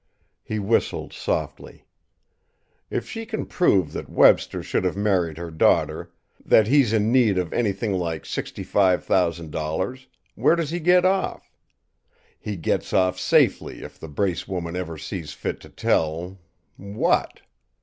He whistled softly. "If she can prove that Webster should have married her daughter, that he's in need of anything like sixty five thousand dollars where does he get off? He gets off safely if the Brace woman ever sees fit to tell what?